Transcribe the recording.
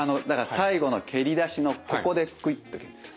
最後の蹴り出しのここでクイッと蹴るんですよ。